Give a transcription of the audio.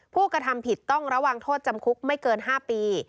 ผู้กระทำผิดต้องระวังโทษจำคุกไม่เกิน๕ปี